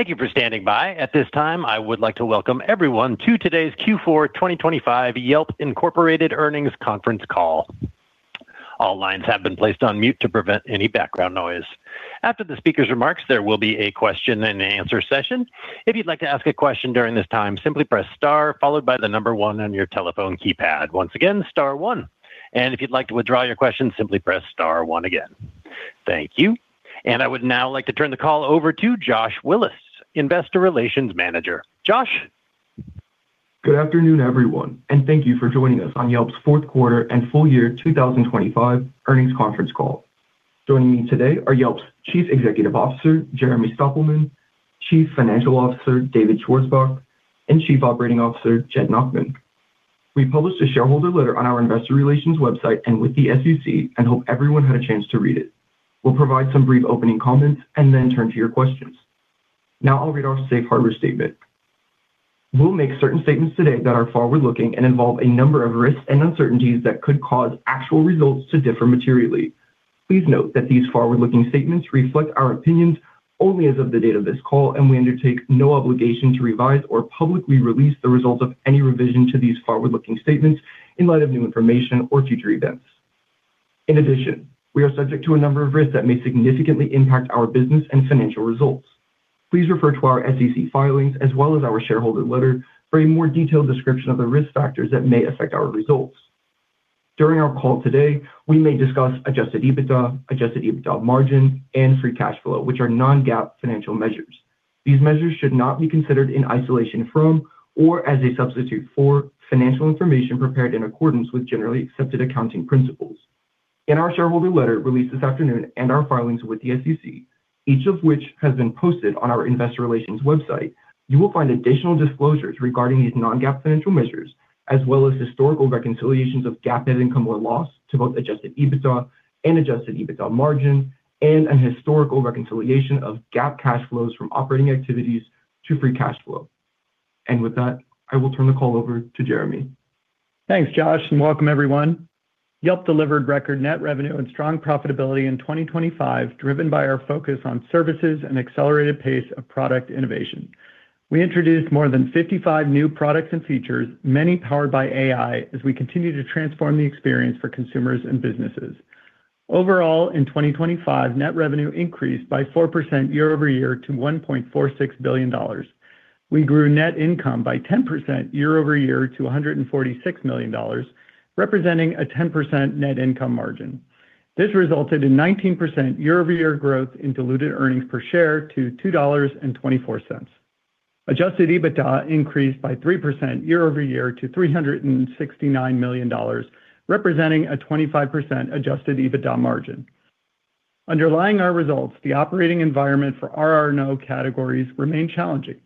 Thank you for standing by. At this time, I would like to welcome everyone to today's Q4 2025 Yelp Incorporated Earnings conference call. All lines have been placed on mute to prevent any background noise. After the speaker's remarks, there will be a question and answer session. If you'd like to ask a question during this time, simply press star, followed by the number one on your telephone keypad. Once again, star one. If you'd like to withdraw your question, simply press star one again. Thank you. I would now like to turn the call over to Josh Willis, Investor Relations Manager. Josh? Good afternoon, everyone, and thank you for joining us on Yelp's fourth quarter and full year 2025 earnings conference call. Joining me today are Yelp's Chief Executive Officer, Jeremy Stoppelman, Chief Financial Officer, David Schwarzbach, and Chief Operating Officer, Jed Nachman. We published a shareholder letter on our investor relations website and with the SEC, and hope everyone had a chance to read it. We'll provide some brief opening comments and then turn to your questions. Now I'll read our safe harbor statement. We'll make certain statements today that are forward-looking and involve a number of risks and uncertainties that could cause actual results to differ materially. Please note that these forward-looking statements reflect our opinions only as of the date of this call, and we undertake no obligation to revise or publicly release the results of any revision to these forward-looking statements in light of new information or future events. In addition, we are subject to a number of risks that may significantly impact our business and financial results. Please refer to our SEC filings as well as our shareholder letter for a more detailed description of the risk factors that may affect our results. During our call today, we may discuss Adjusted EBITDA, Adjusted EBITDA Margin, and Free Cash Flow, which are non-GAAP financial measures. These measures should not be considered in isolation from or as a substitute for financial information prepared in accordance with generally accepted accounting principles. In our shareholder letter released this afternoon and our filings with the SEC, each of which has been posted on our investor relations website, you will find additional disclosures regarding these non-GAAP financial measures, as well as historical reconciliations of GAAP net income or loss to both Adjusted EBITDA and Adjusted EBITDA Margin, and a historical reconciliation of GAAP cash flows from operating activities to Free Cash Flow. With that, I will turn the call over to Jeremy. Thanks, Josh, and welcome everyone. Yelp delivered record net revenue and strong profitability in 2025, driven by our focus on services and accelerated pace of product innovation. We introduced more than 55 new products and features, many powered by AI, as we continue to transform the experience for consumers and businesses. Overall, in 2025, net revenue increased by 4% year-over-year to $1.46 billion. We grew net income by 10% year-over-year to $146 million, representing a 10% net income margin. This resulted in 19% year-over-year growth in diluted earnings per share to $2.24. Adjusted EBITDA increased by 3% year-over-year to $369 million, representing a 25% adjusted EBITDA margin. Underlying our results, the operating environment for our RR&O categories remain challenging,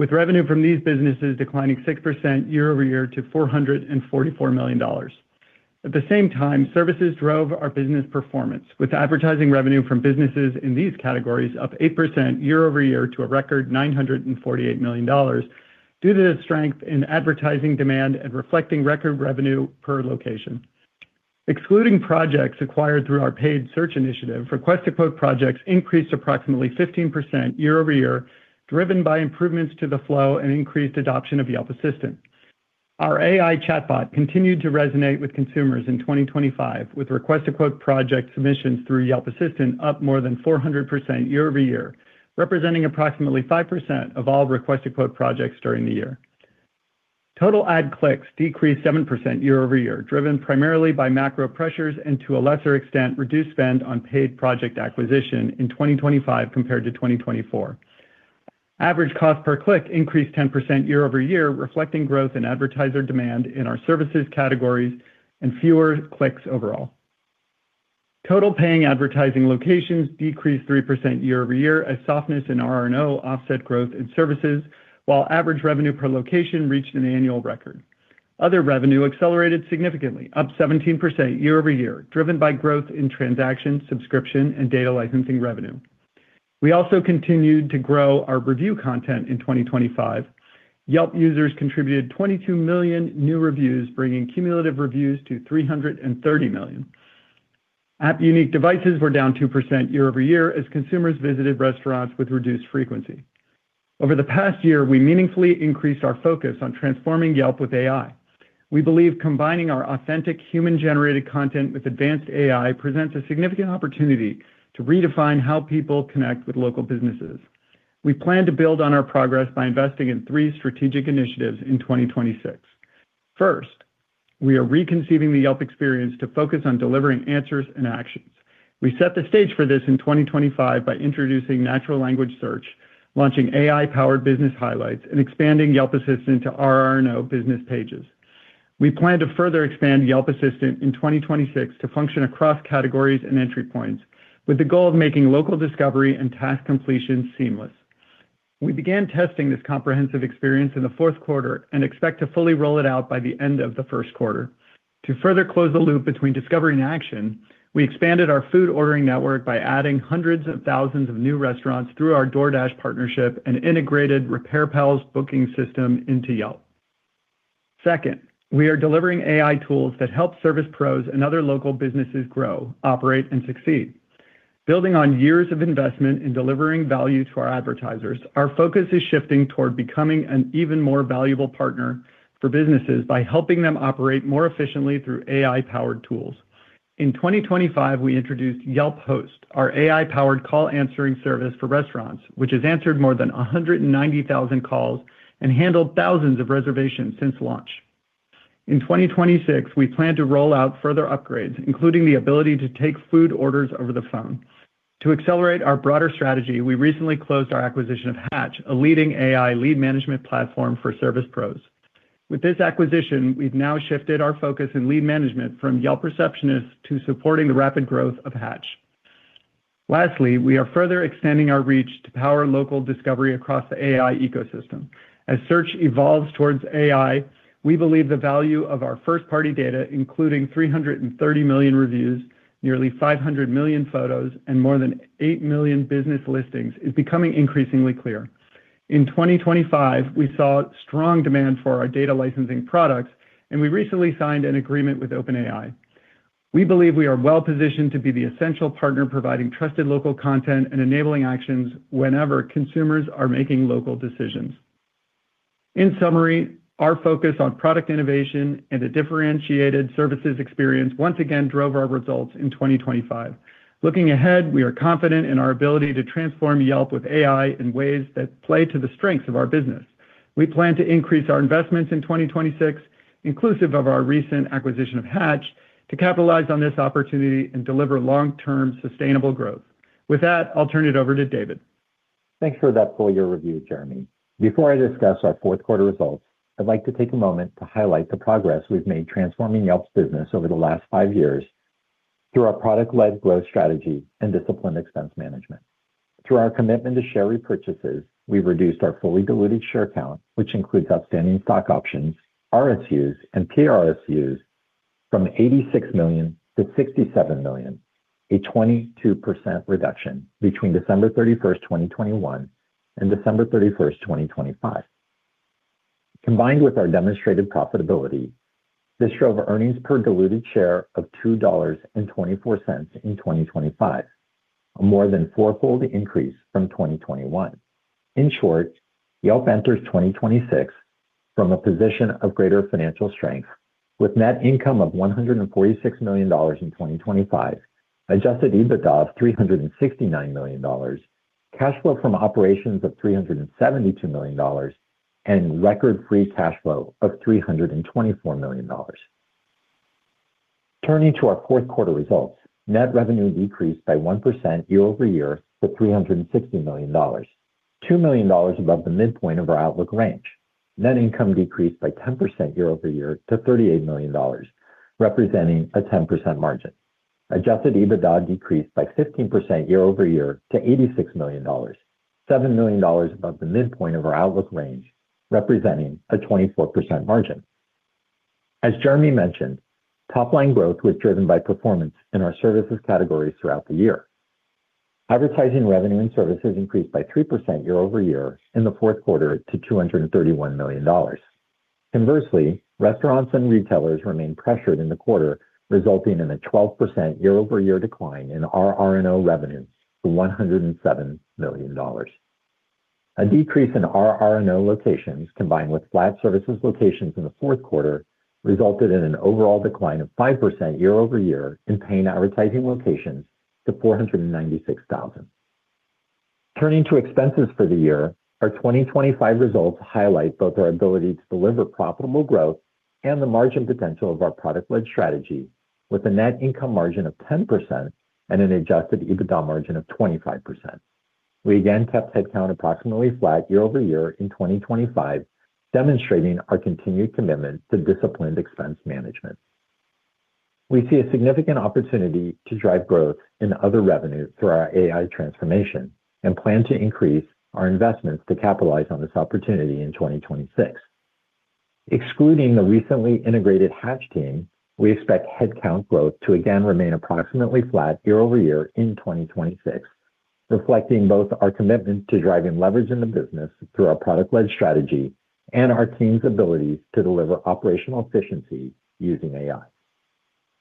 with revenue from these businesses declining 6% year-over-year to $444 million. At the same time, services drove our business performance, with advertising revenue from businesses in these categories up 8% year-over-year to a record $948 million, due to the strength in advertising demand and reflecting record revenue per location. Excluding projects acquired through our paid search initiative, request to quote projects increased approximately 15% year-over-year, driven by improvements to the flow and increased adoption of Yelp Assistant. Our AI chatbot continued to resonate with consumers in 2025, with request to quote project submissions through Yelp Assistant up more than 400% year-over-year, representing approximately 5% of all request to quote projects during the year. Total ad clicks decreased 7% year-over-year, driven primarily by macro pressures and, to a lesser extent, reduced spend on paid project acquisition in 2025 compared to 2024. Average cost per click increased 10% year-over-year, reflecting growth in advertiser demand in our services categories and fewer clicks overall. Total paying advertising locations decreased 3% year-over-year as softness in RR&O offset growth in services, while average revenue per location reached an annual record. Other revenue accelerated significantly, up 17% year-over-year, driven by growth in transaction, subscription, and data licensing revenue. We also continued to grow our review content in 2025. Yelp users contributed 22 million new reviews, bringing cumulative reviews to 330 million. App unique devices were down 2% year-over-year as consumers visited restaurants with reduced frequency. Over the past year, we meaningfully increased our focus on transforming Yelp with AI. We believe combining our authentic human-generated content with advanced AI presents a significant opportunity to redefine how people connect with local businesses. We plan to build on our progress by investing in three strategic initiatives in 2026. First, we are reconceiving the Yelp experience to focus on delivering answers and actions. We set the stage for this in 2025 by introducing natural language search, launching AI-powered business highlights, and expanding Yelp Assistant to RR&O business pages. We plan to further expand Yelp Assistant in 2026 to function across categories and entry points, with the goal of making local discovery and task completion seamless. We began testing this comprehensive experience in the fourth quarter and expect to fully roll it out by the end of the first quarter. To further close the loop between discovery and action, we expanded our food ordering network by adding hundreds of thousands of new restaurants through our DoorDash partnership and integrated RepairPal's booking system into Yelp. Second, we are delivering AI tools that help service pros and other local businesses grow, operate, and succeed. Building on years of investment in delivering value to our advertisers, our focus is shifting toward becoming an even more valuable partner for businesses by helping them operate more efficiently through AI-powered tools. In 2025, we introduced Yelp Host, our AI-powered call answering service for restaurants, which has answered more than 190,000 calls and handled thousands of reservations since launch. In 2026, we plan to roll out further upgrades, including the ability to take food orders over the phone. To accelerate our broader strategy, we recently closed our acquisition of Hatch, a leading AI lead management platform for service pros. With this acquisition, we've now shifted our focus in lead management from Yelp Receptionist to supporting the rapid growth of Hatch. Lastly, we are further extending our reach to power local discovery across the AI ecosystem. As search evolves towards AI, we believe the value of our first-party data, including 330 million reviews, nearly 500 million photos, and more than 8 million business listings, is becoming increasingly clear. In 2025, we saw strong demand for our data licensing products, and we recently signed an agreement with OpenAI. We believe we are well-positioned to be the essential partner, providing trusted local content and enabling actions whenever consumers are making local decisions. In summary, our focus on product innovation and a differentiated services experience once again drove our results in 2025. Looking ahead, we are confident in our ability to transform Yelp with AI in ways that play to the strengths of our business. We plan to increase our investments in 2026, inclusive of our recent acquisition of Hatch, to capitalize on this opportunity and deliver long-term sustainable growth. With that, I'll turn it over to David. Thanks for that full year review, Jeremy. Before I discuss our fourth quarter results, I'd like to take a moment to highlight the progress we've made transforming Yelp's business over the last five years through our product-led growth strategy and disciplined expense management. Through our commitment to share repurchases, we've reduced our fully diluted share count, which includes outstanding stock options, RSUs and PRSUs from 86 million to 67 million, a 22% reduction between December 31, 2021, and December 31, 2025. Combined with our demonstrated profitability, this drove earnings per diluted share of $2.24 in 2025, a more than fourfold increase from 2021. In short, Yelp enters 2026 from a position of greater financial strength, with net income of $146 million in 2025, Adjusted EBITDA of $369 million, cash flow from operations of $372 million, and record free cash flow of $324 million. Turning to our fourth quarter results, net revenue decreased by 1% year-over-year to $360 million, $2 million above the midpoint of our outlook range. Net income decreased by 10% year-over-year to $38 million, representing a 10% margin. Adjusted EBITDA decreased by 15% year-over-year to $86 million, $7 million above the midpoint of our outlook range, representing a 24% margin. As Jeremy mentioned, top-line growth was driven by performance in our services categories throughout the year. Advertising revenue and services increased by 3% year-over-year in the fourth quarter to $231 million. Conversely, restaurants and retailers remained pressured in the quarter, resulting in a 12% year-over-year decline in our RR&O revenues to $107 million. A decrease in our RR&O locations, combined with flat services locations in the fourth quarter, resulted in an overall decline of 5% year-over-year in paying advertising locations to 496,000. Turning to expenses for the year, our 2025 results highlight both our ability to deliver profitable growth and the margin potential of our product-led strategy, with a net income margin of 10% and an Adjusted EBITDA margin of 25%. We again kept headcount approximately flat year-over-year in 2025, demonstrating our continued commitment to disciplined expense management. We see a significant opportunity to drive growth in other revenues through our AI transformation and plan to increase our investments to capitalize on this opportunity in 2026. Excluding the recently integrated Hatch team, we expect headcount growth to again remain approximately flat year-over-year in 2026, reflecting both our commitment to driving leverage in the business through our product-led strategy and our team's ability to deliver operational efficiency using AI.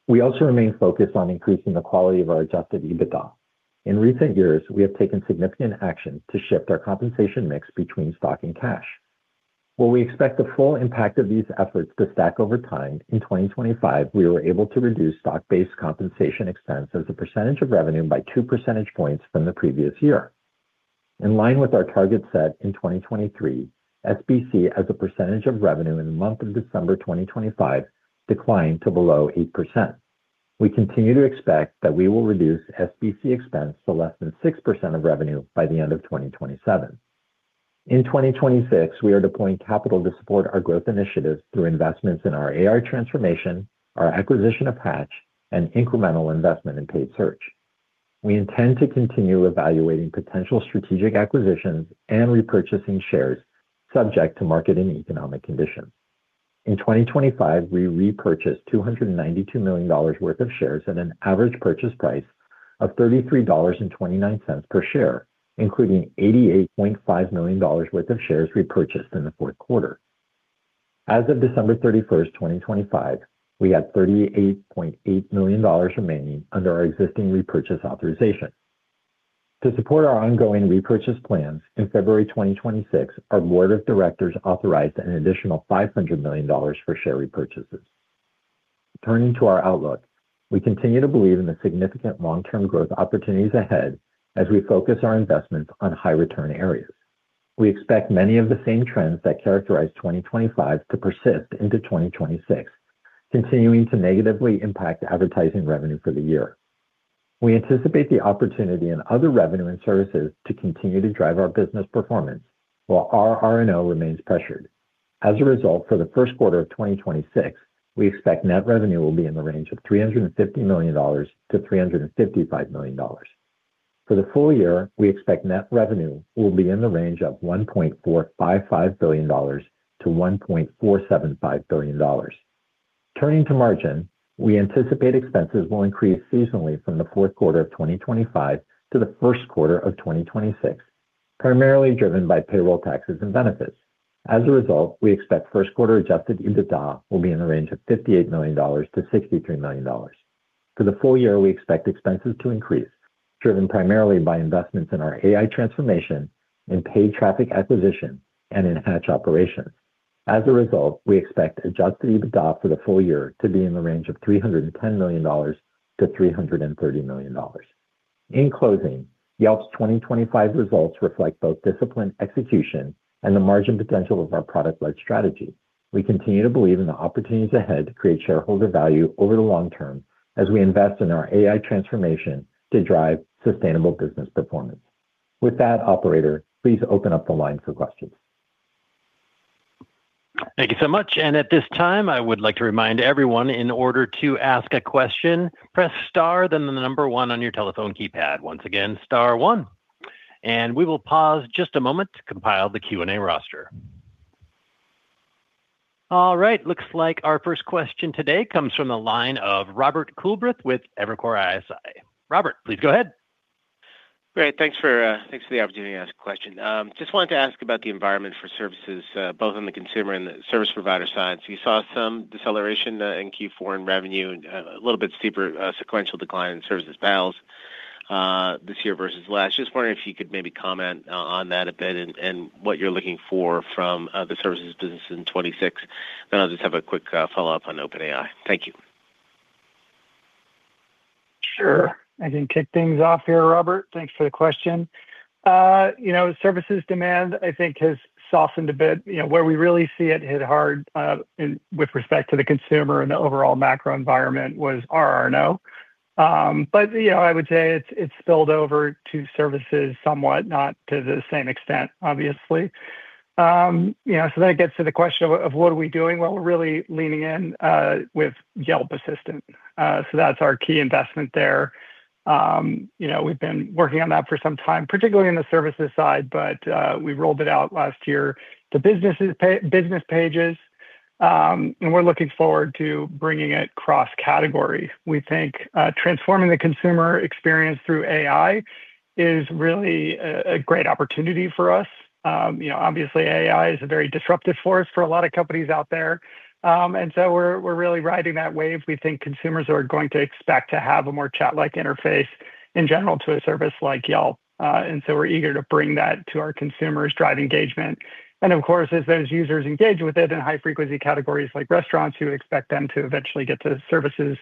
We also remain focused on increasing the quality of our Adjusted EBITDA. In recent years, we have taken significant action to shift our compensation mix between stock and cash. While we expect the full impact of these efforts to stack over time, in 2025, we were able to reduce stock-based compensation expense as a percentage of revenue by 2 percentage points from the previous year. In line with our target set in 2023, SBC, as a percentage of revenue in the month of December 2025, declined to below 8%. We continue to expect that we will reduce SBC expense to less than 6% of revenue by the end of 2027. In 2026, we are deploying capital to support our growth initiatives through investments in our AI transformation, our acquisition of Hatch, and incremental investment in paid search. We intend to continue evaluating potential strategic acquisitions and repurchasing shares, subject to market and economic conditions. In 2025, we repurchased $292 million worth of shares at an average purchase price of $33.29 per share, including $88.5 million worth of shares repurchased in the fourth quarter. As of December 31, 2025, we had $38.8 million remaining under our existing repurchase authorization. To support our ongoing repurchase plans, in February 2026, our board of directors authorized an additional $500 million for share repurchases. Turning to our outlook, we continue to believe in the significant long-term growth opportunities ahead as we focus our investments on high-return areas. We expect many of the same trends that characterized 2025 to persist into 2026, continuing to negatively impact advertising revenue for the year. We anticipate the opportunity in other revenue and services to continue to drive our business performance, while our RR&O remains pressured. As a result, for the first quarter of 2026, we expect net revenue will be in the range of $350 million-$355 million. For the full year, we expect net revenue will be in the range of $1.455 billion-$1.475 billion. Turning to margin, we anticipate expenses will increase seasonally from the fourth quarter of 2025 to the first quarter of 2026, primarily driven by payroll taxes and benefits. As a result, we expect first quarter Adjusted EBITDA will be in the range of $58 million-$63 million. For the full year, we expect expenses to increase, driven primarily by investments in our AI transformation, in paid traffic acquisition, and in Hatch operations. As a result, we expect Adjusted EBITDA for the full year to be in the range of $310 million-$330 million. In closing, Yelp's 2025 results reflect both disciplined execution and the margin potential of our product-led strategy. We continue to believe in the opportunities ahead to create shareholder value over the long term as we invest in our AI transformation to drive sustainable business performance. With that, operator, please open up the line for questions. Thank you so much, and at this time, I would like to remind everyone, in order to ask a question, press star, then the number one on your telephone keypad. Once again, star one. And we will pause just a moment to compile the Q&A roster. All right, looks like our first question today comes from the line of Robert Coolbrith with Evercore ISI. Robert, please go ahead. Great. Thanks for the opportunity to ask a question. Just wanted to ask about the environment for services, both on the consumer and the service provider side. So you saw some deceleration, in Q4 in revenue and, a little bit steeper, sequential decline in Services PALs, this year versus last. Just wondering if you could maybe comment on that a bit and what you're looking for from, the services business in 2026. Then I'll just have a quick follow-up on OpenAI. Thank you. Sure. I can kick things off here, Robert. Thanks for the question. You know, services demand, I think, has softened a bit. You know, where we really see it hit hard, in with respect to the consumer and the overall macro environment was RR&O. But, you know, I would say it's, it's spilled over to services somewhat, not to the same extent, obviously. You know, so then it gets to the question of, of what are we doing? Well, we're really leaning in, with Yelp Assistant. So that's our key investment there. You know, we've been working on that for some time, particularly in the services side, but, we rolled it out last year to businesses business pages, and we're looking forward to bringing it cross-category. We think transforming the consumer experience through AI is really a great opportunity for us. You know, obviously, AI is a very disruptive force for a lot of companies out there. And so we're really riding that wave. We think consumers are going to expect to have a more chat-like interface in general to a service like Yelp, and so we're eager to bring that to our consumers, drive engagement. And of course, as those users engage with it in high-frequency categories like restaurants, you expect them to eventually get to services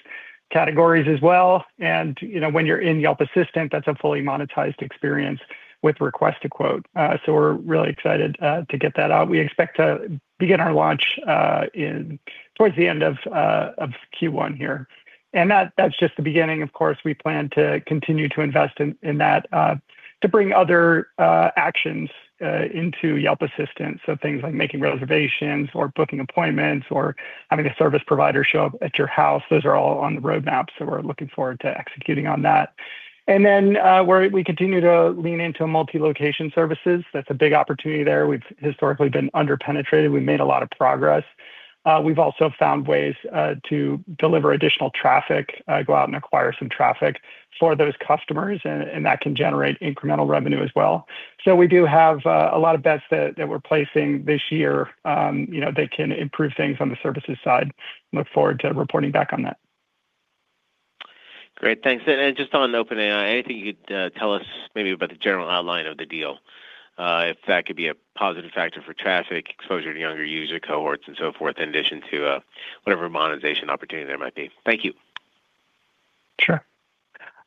categories as well. And, you know, when you're in Yelp Assistant, that's a fully monetized experience with Request to Quote. So we're really excited to get that out. We expect to begin our launch in towards the end of Q1 here. And that, that's just the beginning, of course. We plan to continue to invest in that to bring other actions into Yelp Assistant. So things like making reservations or booking appointments or having a service provider show up at your house, those are all on the roadmap, so we're looking forward to executing on that. And then, we're continuing to lean into multi-location services. That's a big opportunity there. We've historically been under-penetrated. We've made a lot of progress. We've also found ways to deliver additional traffic, go out and acquire some traffic for those customers, and that can generate incremental revenue as well. So we do have a lot of bets that we're placing this year, you know, that can improve things on the services side. Look forward to reporting back on that. Great. Thanks. And just on OpenAI, anything you'd tell us maybe about the general outline of the deal, if that could be a positive factor for traffic, exposure to younger user cohorts, and so forth, in addition to whatever monetization opportunity there might be. Thank you. Sure.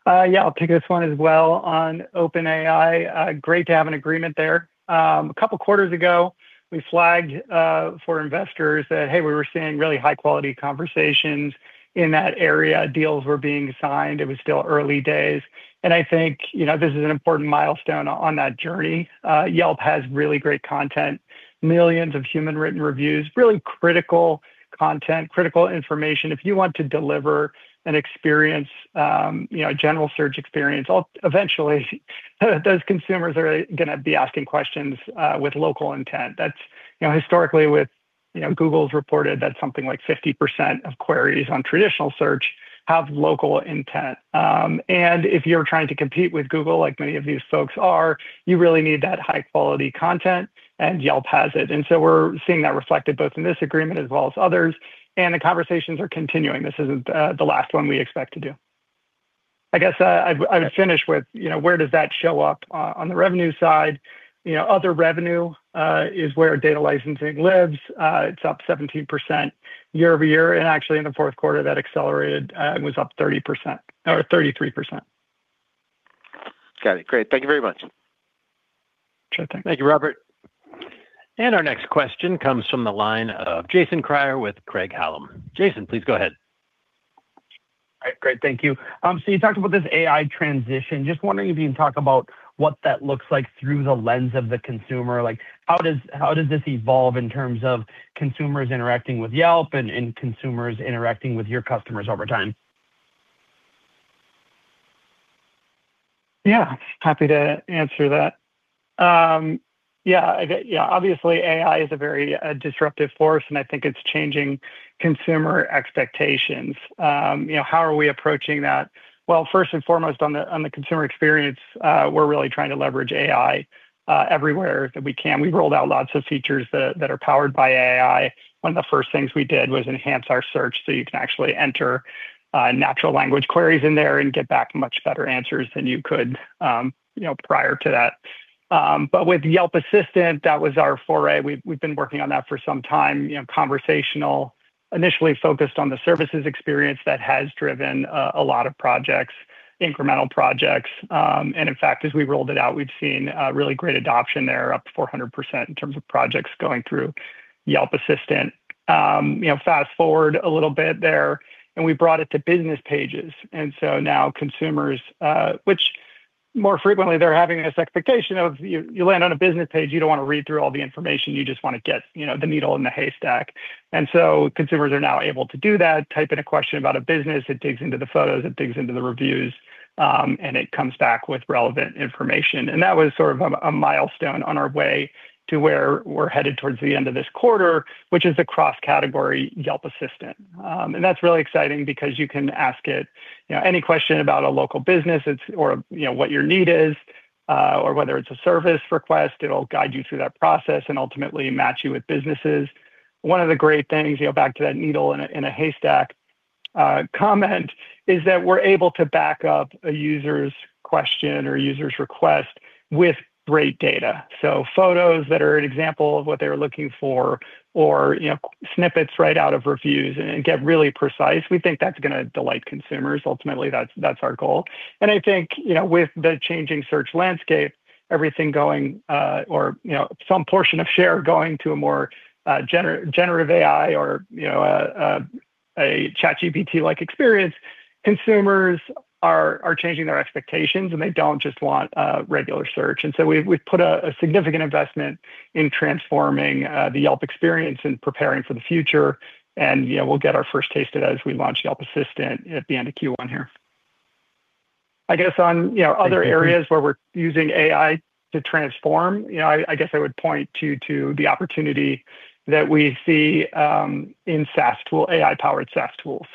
Yeah, I'll take this one as well on OpenAI. Great to have an agreement there. A couple of quarters ago, we flagged for investors that, hey, we were seeing really high-quality conversations in that area. Deals were being signed. It was still early days, and I think, you know, this is an important milestone on that journey. Yelp has really great content, millions of human-written reviews, really critical content, critical information. If you want to deliver an experience, you know, a general search experience, eventually, those consumers are gonna be asking questions with local intent. That's, you know, historically. You know, Google's reported that something like 50% of queries on traditional search have local intent. And if you're trying to compete with Google, like many of these folks are, you really need that high-quality content, and Yelp has it. And so we're seeing that reflected both in this agreement as well as others, and the conversations are continuing. This isn't the last one we expect to do. I guess, I would finish with, you know, where does that show up on the revenue side? You know, other revenue is where data licensing lives. It's up 17% year-over-year, and actually in the fourth quarter, that accelerated, and was up 30% or 33%. Got it. Great. Thank you very much. Sure thing. Thank you, Robert. Our next question comes from the line of Jason Kreyer with Craig-Hallum. Jason, please go ahead. All right. Great. Thank you. So you talked about this AI transition. Just wondering if you can talk about what that looks like through the lens of the consumer. Like, how does this evolve in terms of consumers interacting with Yelp and consumers interacting with your customers over time? Yeah, happy to answer that. Yeah, yeah, obviously, AI is a very disruptive force, and I think it's changing consumer expectations. You know, how are we approaching that? Well, first and foremost, on the consumer experience, we're really trying to leverage AI everywhere that we can. We've rolled out lots of features that are powered by AI. One of the first things we did was enhance our search, so you can actually enter natural language queries in there and get back much better answers than you could, you know, prior to that. But with Yelp Assistant, that was our foray. We've been working on that for some time, you know, conversational. Initially focused on the services experience that has driven a lot of projects, incremental projects. And in fact, as we rolled it out, we've seen really great adoption there, up 400% in terms of projects going through Yelp Assistant. You know, fast-forward a little bit there, and we brought it to business pages. And so now consumers, which more frequently they're having this expectation of you, you land on a business page, you don't want to read through all the information. You just want to get, you know, the needle in the haystack. And so consumers are now able to do that, type in a question about a business. It digs into the photos, it digs into the reviews, and it comes back with relevant information. And that was sort of a milestone on our way to where we're headed towards the end of this quarter, which is a cross-category Yelp Assistant. And that's really exciting because you can ask it, you know, any question about a local business or, you know, what your need is, or whether it's a service request, it'll guide you through that process and ultimately match you with businesses. One of the great things, you know, back to that needle in a haystack comment, is that we're able to back up a user's question or user's request with great data. So photos that are an example of what they're looking for or, you know, snippets right out of reviews and get really precise. We think that's gonna delight consumers. Ultimately, that's our goal. And I think, you know, with the changing search landscape, everything going, or, you know, some portion of share going to a more, generative AI or, you know, a ChatGPT-like experience, consumers are changing their expectations, and they don't just want regular search. And so we've put a significant investment in transforming the Yelp experience and preparing for the future, and, you know, we'll get our first taste of that as we launch Yelp Assistant at the end of Q1 here. I guess on, you know, other areas where we're using AI to transform, you know, I guess I would point to the opportunity that we see in SaaS tool, AI-powered SaaS tools.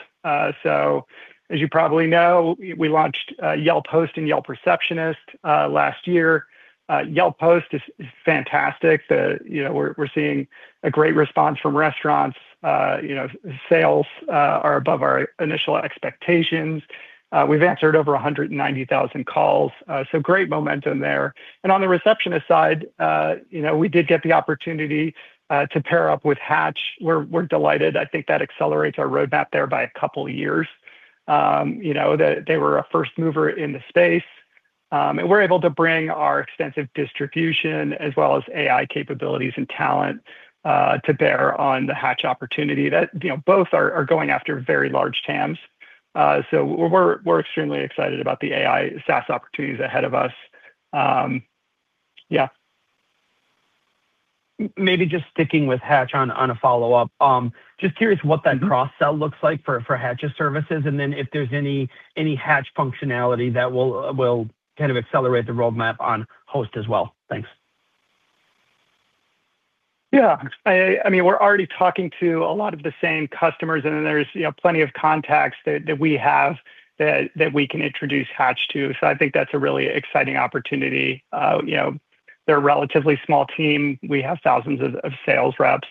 So as you probably know, we launched Yelp Post and Yelp Receptionist last year. Yelp Post is fantastic. You know, we're seeing a great response from restaurants. You know, sales are above our initial expectations. We've answered over 190,000 calls, so great momentum there. And on the Receptionist side, you know, we did get the opportunity to pair up with Hatch. We're delighted. I think that accelerates our roadmap there by a couple of years. You know, they were a first mover in the space, and we're able to bring our extensive distribution as well as AI capabilities and talent to bear on the Hatch opportunity that, you know, both are going after very large TAMs. So we're extremely excited about the AI SaaS opportunities ahead of us. Yeah. Maybe just sticking with Hatch on a follow-up. Just curious what that cross-sell looks like for Hatch's services, and then if there's any Hatch functionality that will kind of accelerate the roadmap on Host as well. Thanks. Yeah. I mean, we're already talking to a lot of the same customers, and then there's, you know, plenty of contacts that we have that we can introduce Hatch to. So I think that's a really exciting opportunity. You know, they're a relatively small team. We have thousands of sales reps.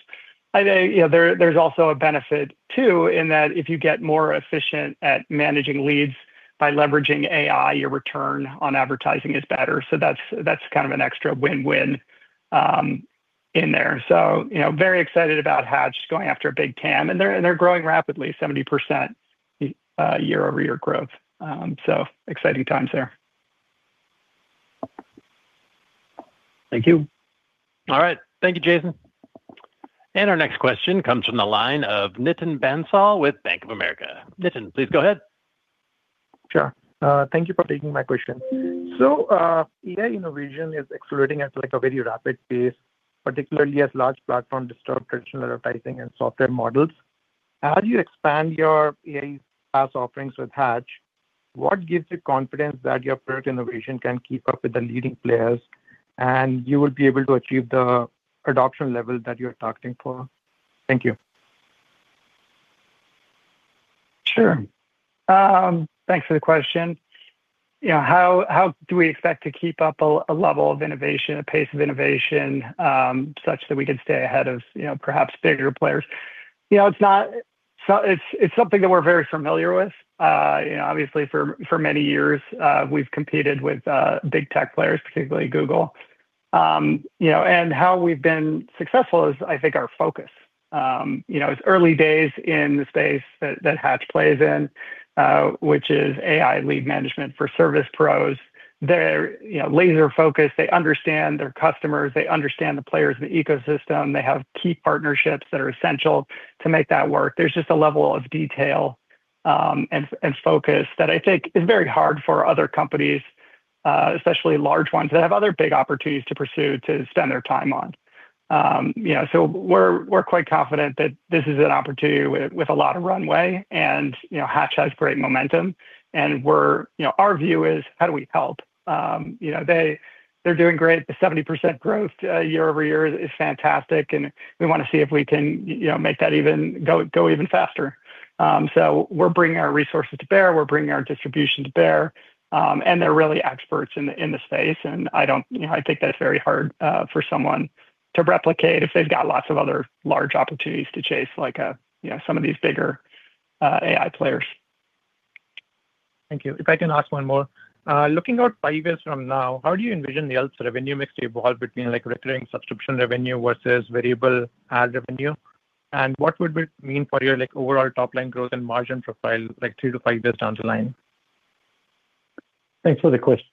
I think, you know, there's also a benefit too, in that if you get more efficient at managing leads by leveraging AI, your return on advertising is better. So that's kind of an extra win-win in there. So, you know, very excited about Hatch just going after a big TAM, and they're growing rapidly, 70% year-over-year growth. So exciting times there. Thank you. All right. Thank you, Jason. Our next question comes from the line of Nitin Bansal with Bank of America. Nitin, please go ahead. Sure. Thank you for taking my question. So, AI innovation is accelerating at, like, a very rapid pace, particularly as large platform disturb traditional advertising and software models.... As you expand your AI SaaS offerings with Hatch, what gives you confidence that your product innovation can keep up with the leading players, and you will be able to achieve the adoption level that you're targeting for? Thank you. Sure. Thanks for the question. Yeah, how do we expect to keep up a level of innovation, a pace of innovation, such that we can stay ahead of, you know, perhaps bigger players? You know, it's something that we're very familiar with. You know, obviously, for many years, we've competed with big tech players, particularly Google. You know, and how we've been successful is, I think, our focus. You know, it's early days in the space that Hatch plays in, which is AI lead management for service pros. They're, you know, laser-focused, they understand their customers, they understand the players in the ecosystem, they have key partnerships that are essential to make that work. There's just a level of detail, and focus that I think is very hard for other companies, especially large ones that have other big opportunities to pursue, to spend their time on. You know, so we're quite confident that this is an opportunity with a lot of runway and, you know, Hatch has great momentum, and we're—You know, our view is: how do we help? You know, they're doing great. The 70% growth, year-over-year is fantastic, and we wanna see if we can, you know, make that even go even faster. So we're bringing our resources to bear, we're bringing our distribution to bear, and they're really experts in the, in the space, and I don't, you know, I think that's very hard for someone to replicate if they've got lots of other large opportunities to chase, like, you know, some of these bigger AI players. Thank you. If I can ask one more. Looking out five years from now, how do you envision the revenue mix to evolve between, like, recurring subscription revenue versus variable ad revenue? And what would it mean for your, like, overall top line growth and margin profile, like, two to five years down the line? Thanks for the question,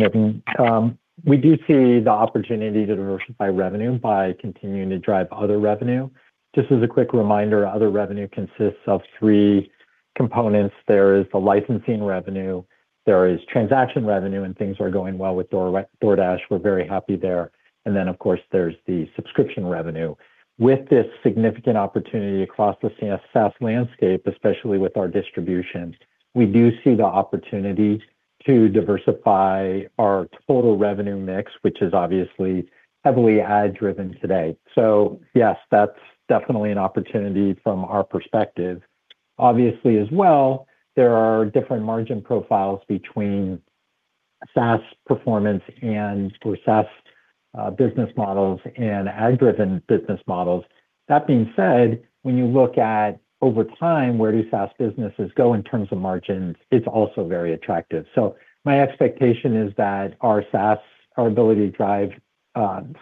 Nitin. We do see the opportunity to diversify revenue by continuing to drive other revenue. Just as a quick reminder, other revenue consists of three components. There is the licensing revenue, there is transaction revenue, and things are going well with DoorDash. We're very happy there. And then, of course, there's the subscription revenue. With this significant opportunity across the SaaS landscape, especially with our distribution, we do see the opportunity to diversify our total revenue mix, which is obviously heavily ad-driven today. So yes, that's definitely an opportunity from our perspective. Obviously, as well, there are different margin profiles between SaaS performance and for SaaS business models and ad-driven business models. That being said, when you look at over time, where do SaaS businesses go in terms of margins, it's also very attractive. My expectation is that our SaaS, our ability to drive,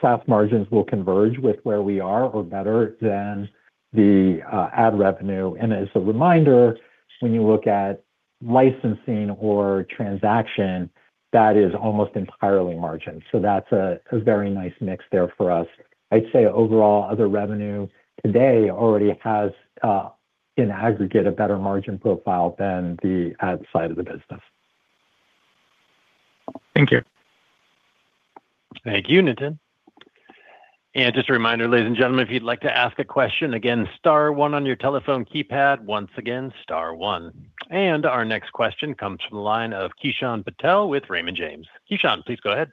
SaaS margins will converge with where we are or better than the ad revenue. As a reminder, when you look at licensing or transaction, that is almost entirely margin, so that's a very nice mix there for us. I'd say overall, other revenue today already has, in aggregate, a better margin profile than the ad side of the business. Thank you. Thank you, Nitin. Just a reminder, ladies and gentlemen, if you'd like to ask a question, again, star one on your telephone keypad. Once again, star one. Our next question comes from the line of Kishan Patel with Raymond James. Kishan, please go ahead.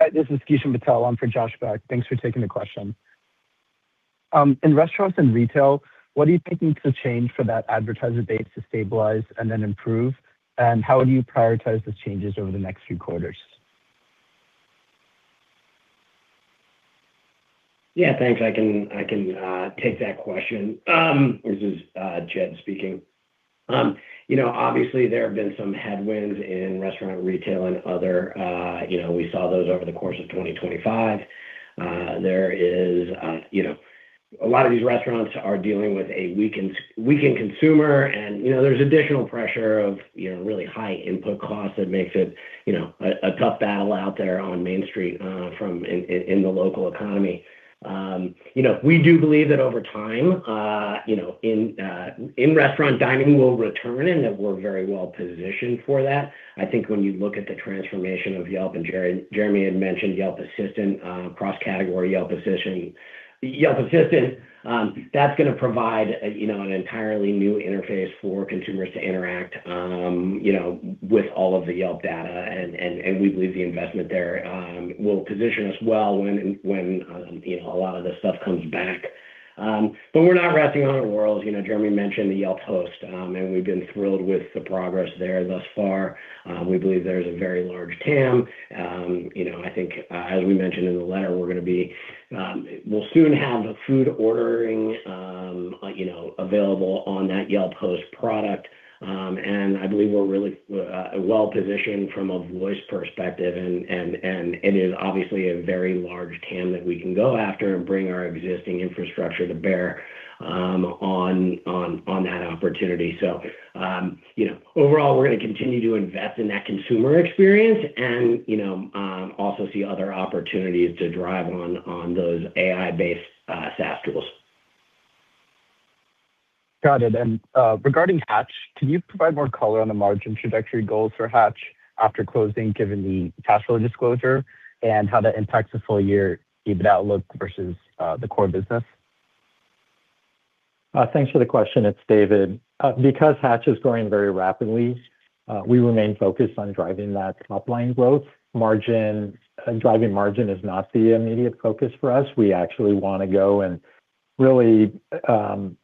Hi, this is Kishan Patel, I'm for Josh Beck. Thanks for taking the question. In restaurants and retail, what do you think needs to change for that advertiser base to stabilize and then improve? And how would you prioritize those changes over the next few quarters? Yeah, thanks. I can take that question. This is Jed speaking. You know, obviously, there have been some headwinds in restaurant, retail, and other. You know, we saw those over the course of 2025. There is, you know, a lot of these restaurants are dealing with a weakened consumer, and, you know, there's additional pressure of, you know, really high input costs that makes it, you know, a tough battle out there on Main Street from the local economy. You know, we do believe that over time, you know, in restaurant dining will return and that we're very well positioned for that. I think when you look at the transformation of Yelp, and Jeremy had mentioned Yelp Assistant, cross-category Yelp position. Yelp Assistant, that's gonna provide a, you know, an entirely new interface for consumers to interact, you know, with all of the Yelp data, and we believe the investment there will position us well when you know, a lot of this stuff comes back. But we're not resting on our laurels. You know, Jeremy mentioned the Yelp Post, and we've been thrilled with the progress there thus far. We believe there's a very large TAM. You know, I think, as we mentioned in the letter, we're gonna be... We'll soon have food ordering, you know, available on that Yelp Post product. And I believe we're really well-positioned from a voice perspective and it is obviously a very large TAM that we can go after and bring our existing infrastructure to bear on that opportunity. So, you know, overall, we're gonna continue to invest in that consumer experience and, you know, also see other opportunities to drive on those AI-based SaaS tools. Got it. And, regarding Hatch, can you provide more color on the margin trajectory goals for Hatch after closing, given the cash flow disclosure, and how that impacts the full-year EBIT outlook versus, the core business? Thanks for the question. It's David. Because Hatch is growing very rapidly, we remain focused on driving that top-line growth. Margin, driving margin is not the immediate focus for us. We actually wanna go and really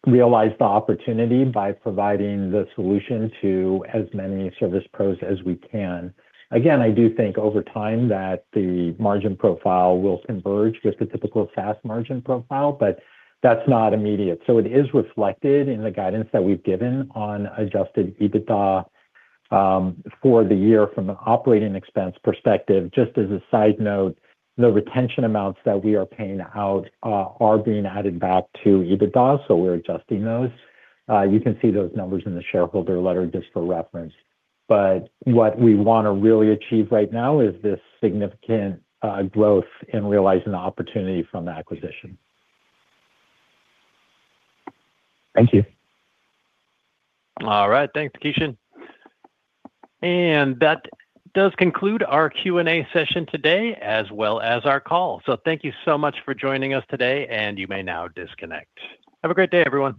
realize the opportunity by providing the solution to as many service pros as we can. Again, I do think over time that the margin profile will converge with the typical SaaS margin profile, but that's not immediate. So it is reflected in the guidance that we've given on Adjusted EBITDA for the year from an operating expense perspective. Just as a side note, the retention amounts that we are paying out are being added back to EBITDA, so we're adjusting those. You can see those numbers in the shareholder letter, just for reference. But what we want to really achieve right now is this significant growth in realizing the opportunity from the acquisition. Thank you. All right. Thanks, Kishan. That does conclude our Q&A session today, as well as our call. Thank you so much for joining us today, and you may now disconnect. Have a great day, everyone.